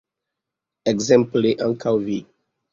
Ekzemple ankaŭ vi.